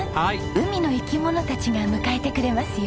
海の生き物たちが迎えてくれますよ。